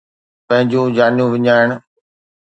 پنهنجون جانيون وڃائڻ